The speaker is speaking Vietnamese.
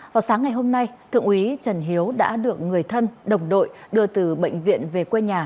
vào sáng ngày hôm nay thượng úy trần hiếu đã được người thân đồng đội đưa từ bệnh viện về quê nhà